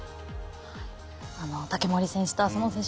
竹守選手と浅野選手